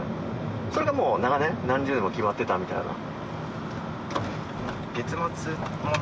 それがもう長年何十年も決まってたみたいな。